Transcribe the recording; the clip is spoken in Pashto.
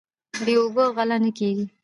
بې اوبو غله نه کیږي.